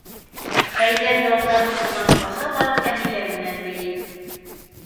Хәйҙәр ялтанып унан ҡаса ла Фәнилә менән бейей.